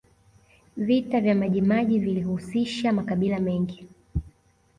vita vya majimaji vilihusisha makabila mengi